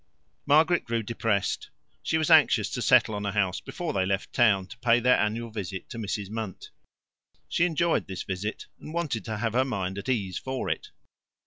Margaret grew depressed; she was anxious to settle on a house before they left town to pay their annual visit to Mrs. Munt. She enjoyed this visit, and wanted to have her mind at ease for it.